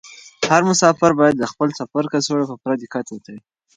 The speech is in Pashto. هر مسافر باید د خپل سفر کڅوړه په پوره دقت وتړي.